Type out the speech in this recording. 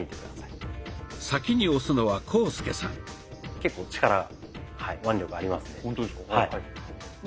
結構力腕力ありますね。